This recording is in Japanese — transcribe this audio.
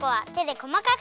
こまかく。